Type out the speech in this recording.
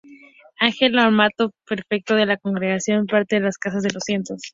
Angelo Amato, prefecto de la Congregación para las Causas de los Santos.